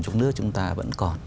trong nước chúng ta vẫn còn